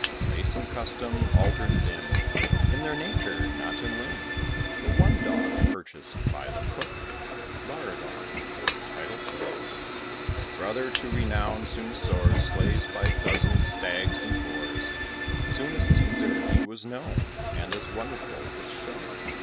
Place and custom altered them In their nature, not in limb. The one dog purchased by the cook, Laridon for title took. His brother to renown soon soars, Slays by dozens stags and boars. Soon as Cæsar he was known, And as wonderful was shown.